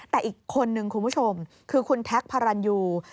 แต่อีกคนนึงคุณผู้ชมคือคุณแท็กพารันยู